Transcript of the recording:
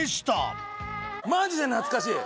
マジで懐かしい。